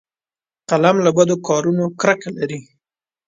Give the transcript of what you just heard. قلم له بدو کارونو کرکه لري